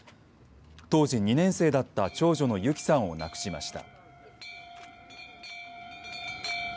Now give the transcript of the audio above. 当時２年生だった長女の優希さんを亡くしました。